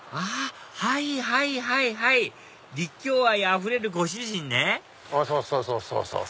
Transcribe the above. はいはいはいはい立教愛あふれるご主人ねそうそうそうそう。